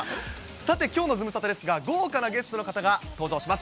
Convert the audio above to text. さて、きょうのズムサタですが、豪華なゲストの方が登場します。